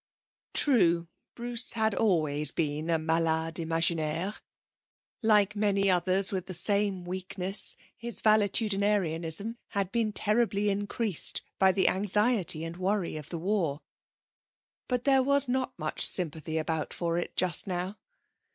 True, Bruce had always been a malade imaginaire; like many others with the same weakness, his valetudinarianism had been terribly increased by the anxiety and worry of the war. But there was not much sympathy about for it just now.